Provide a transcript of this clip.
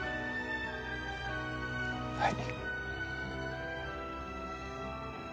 はい。